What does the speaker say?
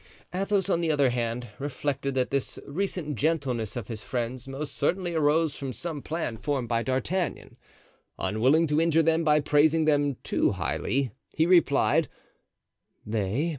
Athos, on the other hand, reflected that this recent gentleness of his friends most certainly arose from some plan formed by D'Artagnan. Unwilling to injure them by praising them too highly, he replied: "They?